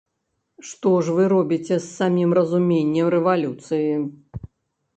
Што ж вы робіце з самім разуменнем рэвалюцыі?!